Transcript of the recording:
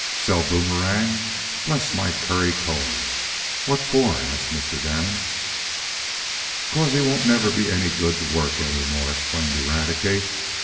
"Sell Boomerang! Bless my curry comb! what for?" asked Mr. Damon. "'Case as how he wouldn't neber be any good fo' wuk any mo'," explained Eradicate.